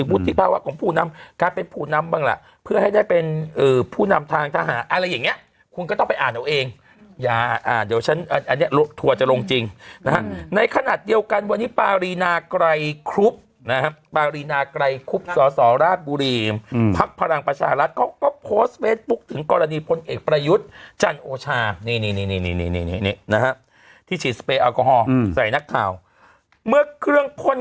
พุทธิภาวะของผู้นำการเป็นผู้นำบ้างล่ะเพื่อให้ได้เป็นผู้นำทางทหารอะไรอย่างเงี้ยคุณก็ต้องไปอ่านเอาเองอย่าอ่านเดี๋ยวฉันอันเนี้ยลบถั่วจะลงจริงนะฮะในขณะเดียวกันวันนี้ปารีนาไกรคลุปนะฮะปารีนาไกรคลุปสหราชบุรีมภักดิ์พลังประชาหรัฐเขาก็โพสต์เฟซบุ๊คถึงกรณีพลเอกประยุทธ์จัน